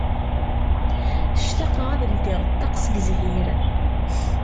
Ctaqeɣ ad ldiɣ ṭṭaq seg zhir.